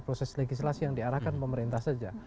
proses legislasi yang diarahkan pemerintah saja